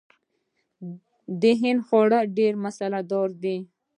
د هند خواړه ډیر مساله دار دي.